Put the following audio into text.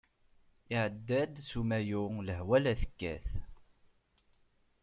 Iɛedda-d s umayu, lehwa la tekkat.